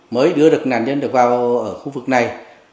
mới đưa được nạn nhân được vào ở khu vực này